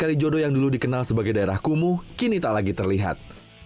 kalijodo yang dulu dikenal sebagai daerah kumuh kini tak lagi terlihat